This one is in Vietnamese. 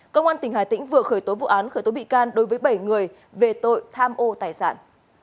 công an tỉnh hà tĩnh vừa khởi tố vụ án khởi tố bị can đối với bảy người về tội tham ô tài sản